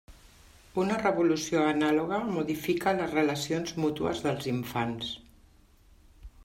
Una revolució anàloga modifica les relacions mútues dels infants.